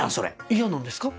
嫌なんですか？